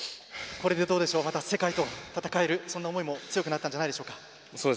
これでまた世界と戦えるそんな思いも強くなったんじゃないでしょうか。